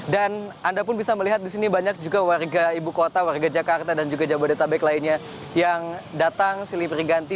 dan anda pun bisa melihat di sini banyak juga warga ibu kota warga jakarta dan juga jabodetabek lainnya yang datang selipir ganti